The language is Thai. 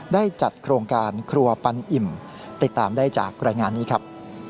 ได้จัดโครงการครัวปันอิ่มติดตามได้จากรายงานนี้ครับ